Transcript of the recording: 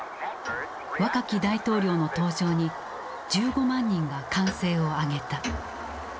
若き大統領の登場に１５万人が歓声を上げた。